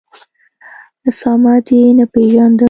اسامه دي نه پېژاند